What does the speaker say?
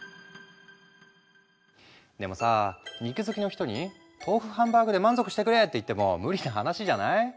でもさ肉好きの人に豆腐ハンバーグで満足してくれって言っても無理な話じゃない？